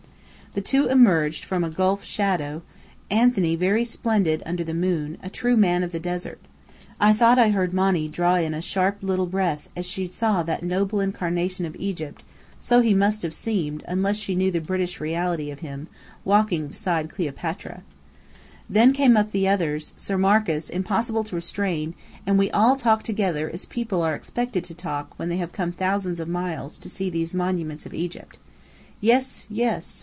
The two emerged from a gulf of shadow, Anthony very splendid under the moon, a true man of the desert. I thought I heard Monny draw in a little sharp breath as she saw that noble incarnation of Egypt (so he must have seemed, unless she knew the British reality of him) walking beside Cleopatra. Then up came the others, Sir Marcus impossible to restrain; and we all talked together as people are expected to talk when they have come thousands of miles to see these monuments of Egypt. Yes, yes!